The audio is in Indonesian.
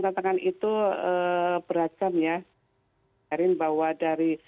tantangan itu beragam ya erin bahwa dari